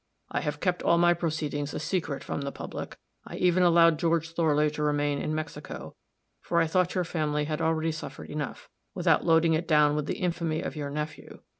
I have kept all my proceedings a secret from the public; I even allowed George Thorley to remain in Mexico, for I thought your family had already suffered enough, without loading it down with the infamy of your nephew.